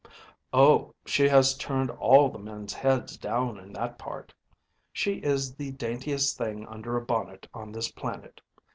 “Oh, she has turned all the men’s heads down in that part. She is the daintiest thing under a bonnet on this planet.